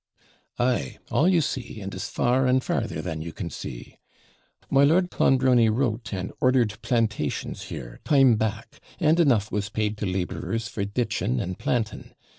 'Ay, all you see, and as far and farther than you can see. My Lord Clonbrony wrote, and ordered plantations here, time back; and enough was paid to labourers for ditching and planting.